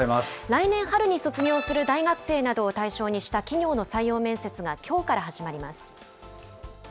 来年春に卒業する大学生などを対象にした企業の採用面接が、きょうから始まります。